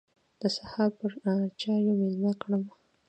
د سهار پر چايو مېلمه کړم.